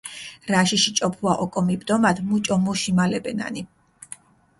რაშიში ჭოფუა ოკო მიბდომათ მუჭო მუ შიმალებენანი.